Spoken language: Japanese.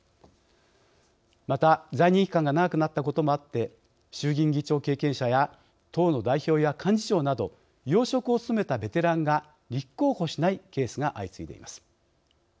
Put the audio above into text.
また在任期間が長くなったこともあって衆議院議長経験者や党の代表や幹事長など要職を務めたベテランが立候補しないケースが相次いでいます。